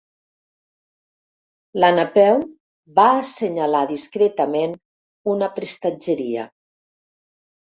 La Napeu va assenyalar discretament una prestatgeria.